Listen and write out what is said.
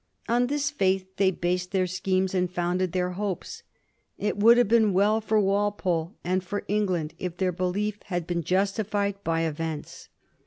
On this faith they based their schemes and founded their hopes. It would have been well for Walpole and for England if their belief had been justified by events.